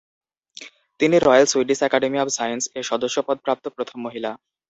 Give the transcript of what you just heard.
তিনি Royal Swedish Academy of সাইন্স-এ সদস্যপদ প্রাপ্ত প্রথম মহিলা।